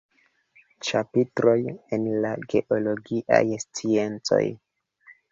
Ĉapitroj el la geologiaj sciencoj".